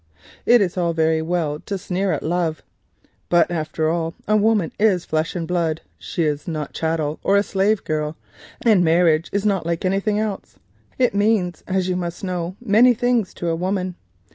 It is all very well to sneer at 'love,' but, after all a woman is flesh and blood; she is not a chattel or a slave girl, and marriage is not like anything else—it means many things to a woman.